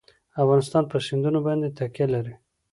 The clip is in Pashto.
افغانستان په سیندونه باندې تکیه لري.